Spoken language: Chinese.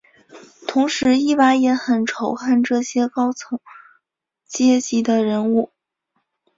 同时伊娃也很仇恨这些高层阶级的人物。